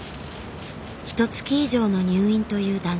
ひとつき以上の入院という男性。